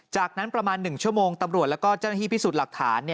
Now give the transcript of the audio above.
จากนั้นประมาณ๑ชั่วโมงตำรวจแล้วก็เจ้าหน้าที่พิสูจน์หลักฐาน